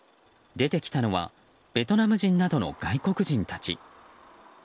出てきたのはベトナム人などの外国人たち。